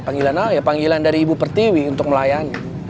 panggilan apa ya panggilan dari ibu pertiwi untuk melayani